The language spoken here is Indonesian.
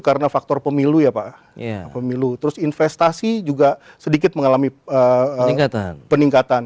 karena faktor pemilu ya pak pemilu terus investasi juga sedikit mengalami peningkatan peningkatan